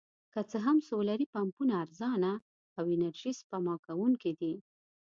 که څه هم سولري پمپونه ارزانه او انرژي سپما کوونکي دي.